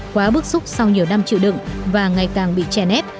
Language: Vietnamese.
quá bức xúc sau nhiều năm chịu đựng và ngày càng bị che nét